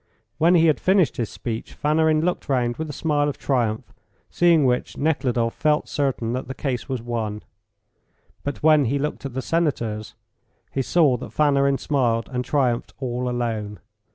When he had finished his speech, Fanarin looked round with a smile of triumph, seeing which Nekhludoff felt certain that the case was won. But when he looked at the Senators he saw that Fanarin smiled and triumphed all alone.